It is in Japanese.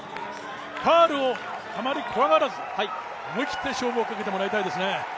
ファウルをあまり怖がらず思い切って勝負をかけてもらいたいですね。